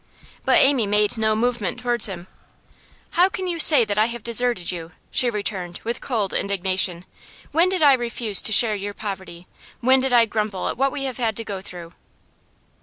But Amy made no movement towards him. 'How can you say that I have deserted you?' she returned, with cold indignation. 'When did I refuse to share your poverty? When did I grumble at what we have had to go through?